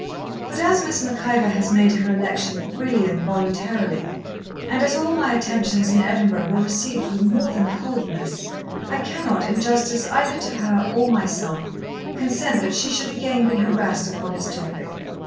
But as Miss Mac Ivor has made her election freely and voluntarily, and as all my attentions in Edinburgh were received with more than coldness, I cannot, in justice either to her or myself, consent that she should again be harassed upon this topic.